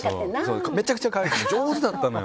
めちゃくちゃ可愛いの。